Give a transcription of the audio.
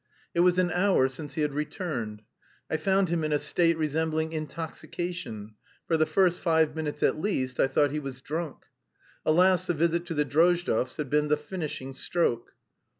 It was an hour since he had returned. I found him in a state resembling intoxication; for the first five minutes at least I thought he was drunk. Alas, the visit to the Drozdovs had been the finishing stroke.